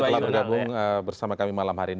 terima kasih bapak bapak agung bersama kami malam hari ini